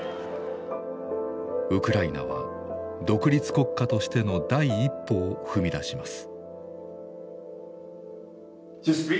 ウクライナは独立国家としての第一歩を踏み出します。